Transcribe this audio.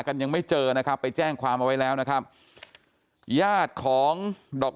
ยังไม่เจอนะครับไปแจ้งความเอาไว้แล้วนะครับญาติของดอก